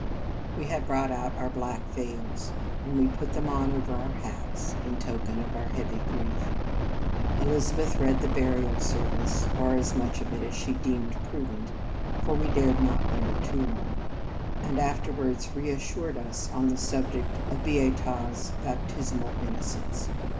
We had brought out our black veils, and we put them on over our hats, in token of our heavy grief. Elizabeth read the burial service, or as much of it as she deemed pru dent, for we dared not linger too long, and afterwards reassured us on the subject of Beata s baptismal innocence.